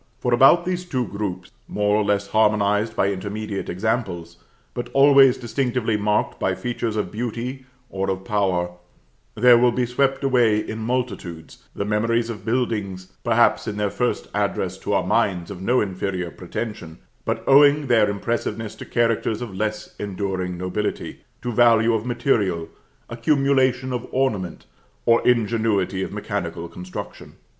From about these two groups, more or less harmonised by intermediate examples, but always distinctively marked by features of beauty or of power, there will be swept away, in multitudes, the memories of buildings, perhaps, in their first address to our minds, of no inferior pretension, but owing their impressiveness to characters of less enduring nobility to value of material, accumulation of ornament, or ingenuity of mechanical construction.